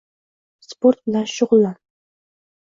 Sport bilan shug‘ullan!